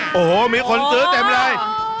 โอ้โหมีคนซื้อเต็มเลย